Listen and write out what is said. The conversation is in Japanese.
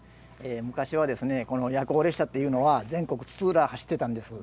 昔は夜行列車というのは全国津々浦々走っていたんです。